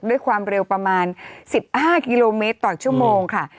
ด้วยความเร็วประมาณ๑๕กิโลเมตรต่อชั่วโมงค่ะ